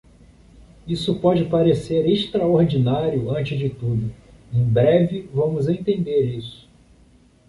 Isso pode parecer extraordinário antes de tudo; em breve vamos entender isso.